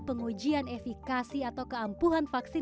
pengujian efikasi atau keampuhan vaksin